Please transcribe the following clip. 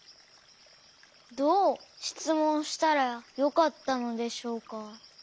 どうしつもんしたらよかったのでしょうか。